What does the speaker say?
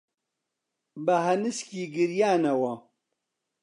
بە هەنسکی گریانەوە